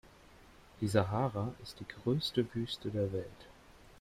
Die Sahara ist die größte Wüste der Welt.